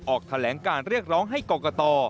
ออกแถลงการเรียกร้องให้กรกต